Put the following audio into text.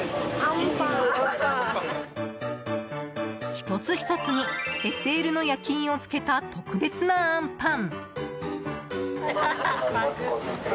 １つ１つにＳＬの焼印を付けた特別なあんぱん。